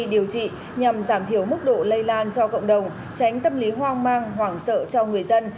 điều trị nhằm giảm thiểu mức độ lây lan cho cộng đồng tránh tâm lý hoang mang hoảng sợ cho người dân